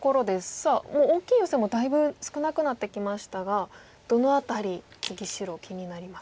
さあもう大きいヨセもだいぶ少なくなってきましたがどの辺り次白気になりますか。